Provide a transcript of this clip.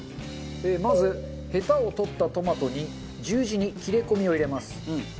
まずヘタを取ったトマトに十字に切れ込みを入れます。